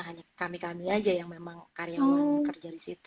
hanya kami kami aja yang memang karyawan kerja di situ